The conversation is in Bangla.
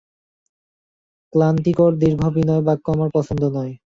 ক্লান্তিকর দীর্ঘ বিনয় বাক্য আমার পছন্দ নয়।